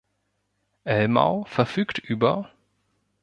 Ellmau verfügt über